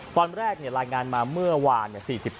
ตอนแรกรายงานมาเมื่อวาน